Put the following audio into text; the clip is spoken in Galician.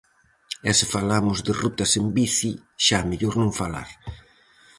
E se falamos de rutas en bici, xa mellor non falar.